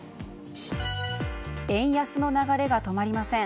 円安の流れが止まりません。